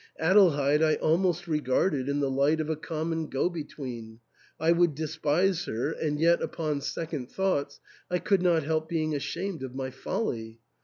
Adelheid I almost regarded in the light of a common go between ; I would despise her, and yet, upon second thoughts, I could not help being ashamed of my folly.